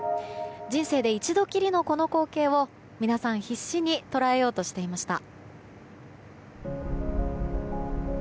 人生で一度きりのこの光景を皆さん、必死に捉えようとしていました。